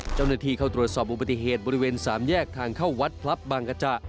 เจ้าหน้าที่เข้าตรวจสอบอุบัติเหตุบริเวณสามแยกทางเข้าวัดพลับบางกระจะ